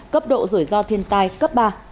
cấp độ rủi ro thiên tai cấp ba